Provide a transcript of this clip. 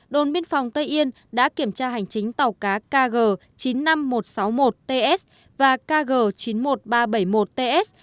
đồn biên phòng tây yên đã kiểm tra hành chính tàu cá kg chín mươi năm nghìn một trăm sáu mươi một ts và kg chín mươi một nghìn ba trăm bảy mươi một ts